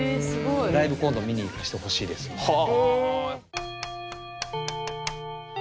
ライブ今度見に行かしてほしいですみたいな。